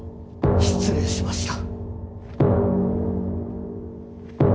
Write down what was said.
失礼しました。